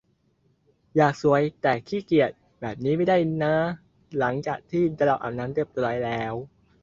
อยากสวย แต่ขี้เกียจ แบบนี้ไม่ได้น้าหลังจากที่เราอาบน้ำเรียบร้อยแล้ว